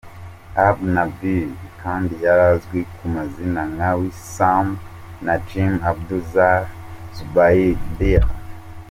Abu Nabil kandi yarazwi ku mazina nka Wissam Najm Abd Zayd al-Zubaydia.